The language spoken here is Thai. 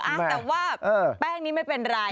อ่ะแต่ว่าแป้งนี้ไม่เป็นไร